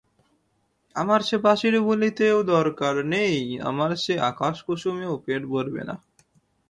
আমার সে বাঁশির বুলিতেও দরকার নেই, আমার সে আকাশকুসুমেও পেট ভরবে না।